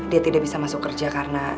dia tidak bisa masuk kerja karena